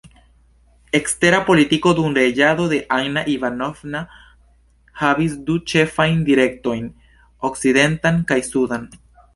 Ekstera politiko dum reĝado de Anna Ivanovna havis du ĉefajn direktojn: okcidentan kaj sudan.